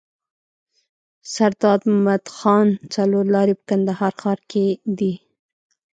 سرداد مدخان څلور لاری په کندهار ښار کي دی.